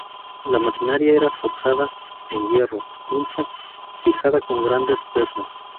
La maquinaria era forjada en hierro dulce fijada con grandes pernos.